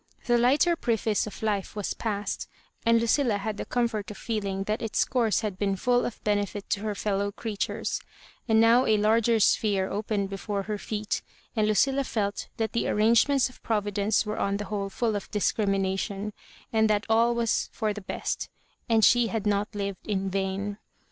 The lighter pre face of life was past, and Lucilla had the com fort of feeling that its course had been fuU of benefit to her fellow creatures ; and now a larger sphere opened before her feet, and Ludlla felt that the arrangements of Providence were on the whole full of discrimination, and that all was for the best, and she had not lived in vain.